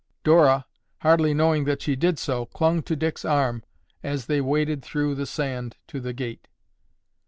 Dora, hardly knowing that she did so, clung to Dick's arm as they waded through the sand to the gate.